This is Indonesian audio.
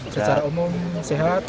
secara umum sehat